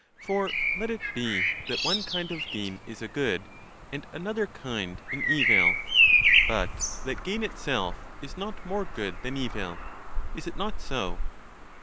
For let it be, that one kind of gain is a good, and another kind an evil; but that gain itself is not more good than evil. Is it not so?